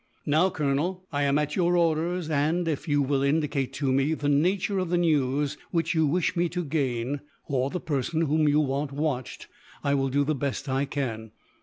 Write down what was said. "Now, Colonel, I am at your orders and, if you will indicate to me the nature of the news which you wish to gain, or the person whom you want watched, I will do the best I can.